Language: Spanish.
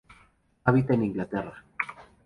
Habita en Inglaterra.